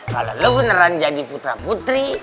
kalo lu beneran jadi putra putri